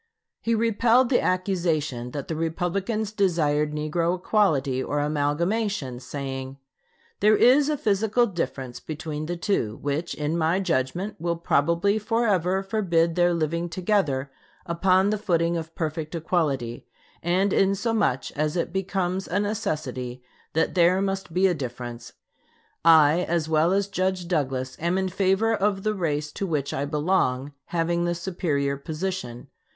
He repelled the accusation that the Republicans desired negro equality or amalgamation, saying: "There is a physical difference between the two, which, in my judgment, will probably forever forbid their living together upon the footing of perfect equality; and inasmuch as it becomes a necessity that there must be a difference, I, as well as Judge Douglas, am in favor of the race to which I belong having the superior position.